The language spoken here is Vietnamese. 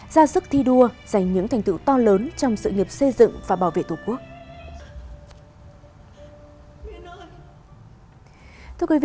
ra sức thi đua giành những thành tựu to lớn trong sự nghiệp xây dựng và bảo vệ tổ quốc